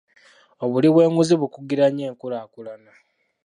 Obuli bw'enguzi bukugira nnyo enkulaakulana.